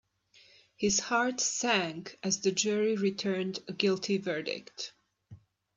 His heart sank as the jury returned a guilty verdict.